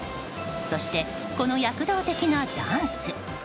そして、この躍動的なダンス。